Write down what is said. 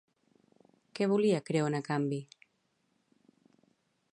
Què volia Creont a canvi?